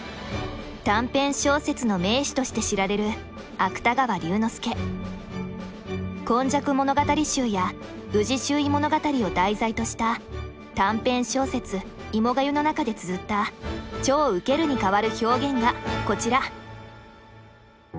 短編小説の名手として知られる「今昔物語集」や「宇治拾遺物語」を題材とした短編小説「芋粥」の中でつづった「超ウケる」に代わる表現がこちら。